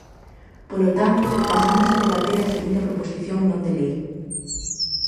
Polo tanto, pasamos a debater a seguinte proposición non de lei.